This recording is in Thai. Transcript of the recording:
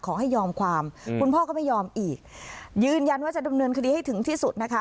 ขอให้ยอมความคุณพ่อก็ไม่ยอมอีกยืนยันว่าจะดำเนินคดีให้ถึงที่สุดนะคะ